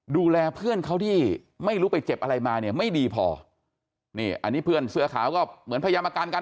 ดูแลเพื่อนเขาที่ไม่รู้ไปเจ็บอะไรมาเนี่ยไม่ดีพอนี่อันนี้เพื่อนเสื้อขาวก็เหมือนพยายามอาการกัน